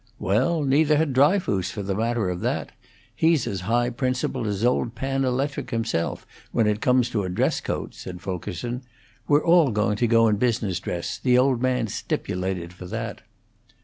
"Well, neither had Dryfoos, for the matter of that. He's as high principled as old Pan Electric himself, when it comes to a dress coat," said Fulkerson. "We're all going to go in business dress; the old man stipulated for that.